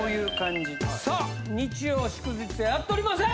さあ日曜・祝日はやっておりません！